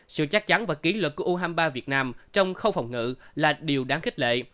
sự chắc chắn và ký lực của u hai mươi ba việt nam trong khâu phòng ngự là điều đáng khích lệ